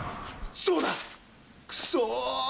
そうだ！クソ！